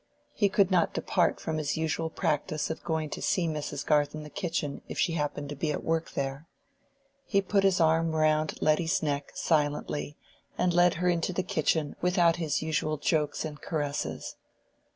He could not depart from his usual practice of going to see Mrs. Garth in the kitchen if she happened to be at work there. He put his arm round Letty's neck silently, and led her into the kitchen without his usual jokes and caresses.